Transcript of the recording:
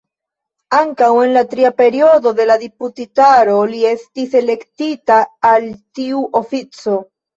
Ankaŭ en la tria periodo de la deputitaro li estis elektita al tiu ofico.